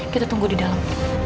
kita tunggu di dalam